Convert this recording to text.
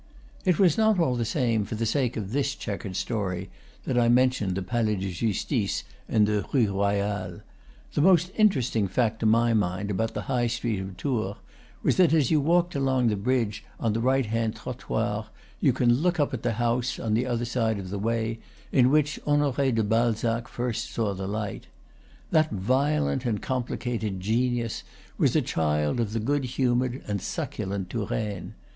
It was not, all the same, for the sake of this check ered story that I mentioned the Palais de Justice and the Rue Royale. The most interesting fact, to my mind, about the high street of Tours was that as you walked toward the bridge on the right hand trottoir you can look up at the house, on the other side of the way, in which Honore de Balzac first saw the light. That violent and complicated genius was a child of the good humored and succulent Touraine.